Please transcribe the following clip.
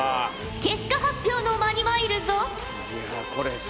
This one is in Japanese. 結果発表の間にまいるぞ。